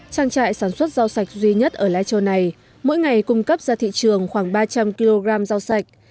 trang trại sản xuất rau sạch duy nhất ở lai châu này mỗi ngày cung cấp ra thị trường khoảng ba trăm linh kg rau sạch